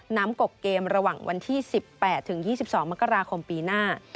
น้ำกกเกมระหว่างวันที่๑๘๒๒มกราคมปีหน้า